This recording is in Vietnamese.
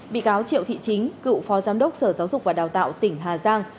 bị cáo triệu thị chính cựu phó giám đốc sở giáo dục và đào tạo tỉnh hà giang